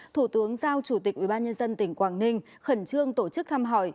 thủ tướng giao chủ tịch ủy ban nhân dân tỉnh quảng ninh khẩn trương tổ chức thăm hỏi